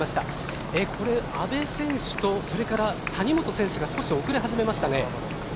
阿部選手とそれから谷本選手が少し遅れ始めましたね。